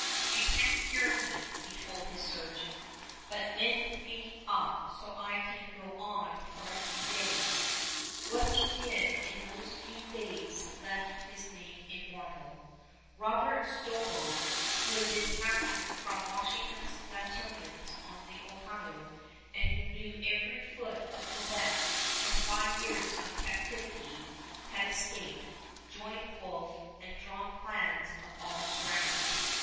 "You can't cure me," he told his surgeon, "but mend me up so I can go on for a few days." What he did in those few days left his name immortal. Robert Stobo, who had been captured from Washington's battalions on the Ohio, and who knew every foot of Quebec from five years of captivity, had escaped, joined Wolfe, and drawn plans of all surroundings.